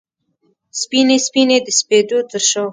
سپینې، سپینې د سپېدو ترشا